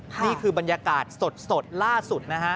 นี่คือบรรยากาศสดล่าสุดนะฮะ